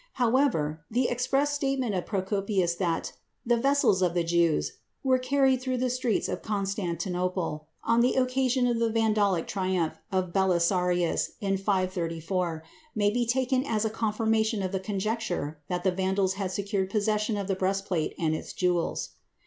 However, the express statement of Procopius that "the vessels of the Jews" were carried through the streets of Constantinople, on the occasion of the Vandalic triumph of Belisarius, in 534, may be taken as a confirmation of the conjecture that the Vandals had secured possession of the breastplate and its jewels.